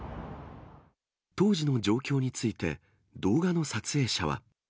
当時の状況について、動画の撮影者は。